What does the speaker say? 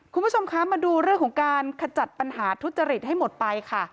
คุณผู้ชมคะมาดูเรื่องของการขจัดปัญหาทุจริตให้หมดไปค่ะ